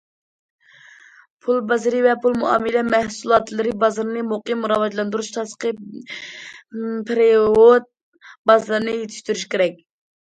پۇل بازىرى ۋە پۇل مۇئامىلە مەھسۇلاتلىرى بازىرىنى مۇقىم راۋاجلاندۇرۇش، تاشقى پېرېۋوت بازىرىنى يېتىشتۈرۈش كېرەك.